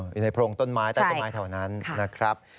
อยู่ในโพรงต้นไม้ใต้ต้นไม้แถวนั้นนะครับ